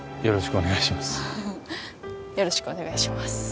よろしくお願いします